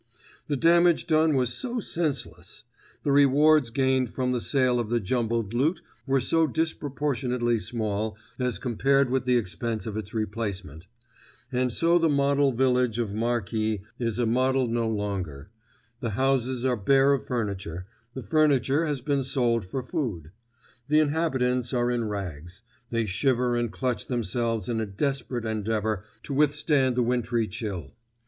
The damage done was so senseless. The rewards gained from the sale of the jumbled loot were so disproportionately small as compared with the expense of its replacement. And so the model village of Marki is a model no longer. The houses are bare of furniture; the furniture has been sold for food. The inhabitants are in rags; they shiver and clutch themselves in a desperate endeavour to withstand the wintry chill.